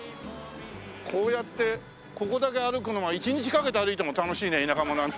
こうやってここだけ歩くのは１日かけて歩いても楽しいね田舎者はね。